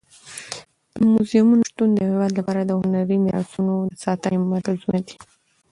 د موزیمونو شتون د یو هېواد د هنري میراثونو د ساتنې مرکزونه دي.